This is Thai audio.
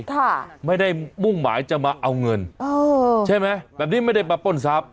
ค่ะไม่ได้มุ่งหมายจะมาเอาเงินเออใช่ไหมแบบนี้ไม่ได้มาป้นทรัพย